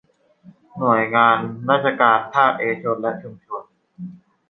หน่วยงานราชการภาคเอกชนและชุมชน